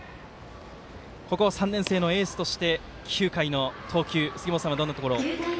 ここ３年生のエースとして９回の投球杉本さんはどんなところを？